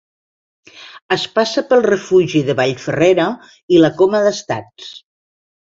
Es passa pel refugi de Vall Ferrera i la Coma d'Estats.